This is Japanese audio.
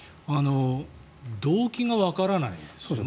動機がわからないですよね。